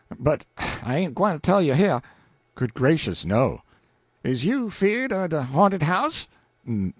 But I ain't gwine to tell you heah " "Good gracious, no!" "Is you 'feared o' de ha'nted house?"